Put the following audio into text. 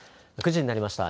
９時になりました。